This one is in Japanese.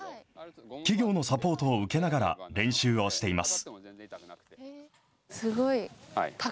企業のサポートを受けながら練習をしています。